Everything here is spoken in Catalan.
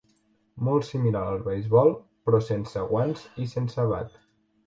Molt similar al beisbol, però sense guants i sense bat.